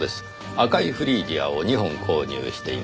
赤いフリージアを２本購入しています。